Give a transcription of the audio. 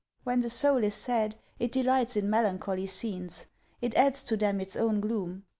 When the soul is sad, it delights in melancholy scenes ; it adds to them its own gloom.